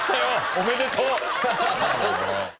おめでとう！